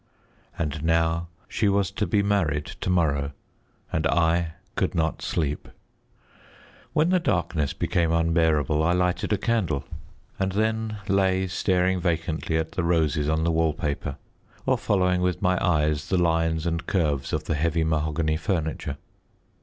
And now she was to be married to morrow, and I could not sleep. When the darkness became unbearable I lighted a candle, and then lay staring vacantly at the roses on the wall paper, or following with my eyes the lines and curves of the heavy mahogany furniture.